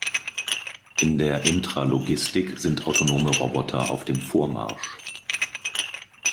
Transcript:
In der Intralogistik sind autonome Roboter auf dem Vormarsch.